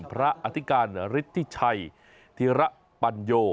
อธิการฤทธิชัยธิระปัญโย